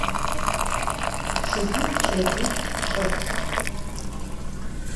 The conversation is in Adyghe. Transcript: Ççıgım ç'elit'u çç'et.